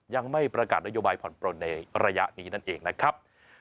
ยังไม่ประกาศนโยบายผ่อนปลนในระยะนี้นั่นเองนะครับ